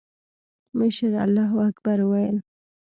مشر الله اکبر وويل.